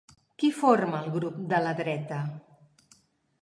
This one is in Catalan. Qui forma el grup de la dreta?